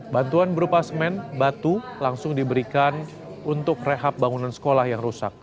bantuan berupa semen batu langsung diberikan untuk rehab bangunan sekolah yang rusak